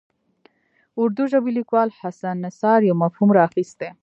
اردو ژبي لیکوال حسن نثار یو مفهوم راخیستی.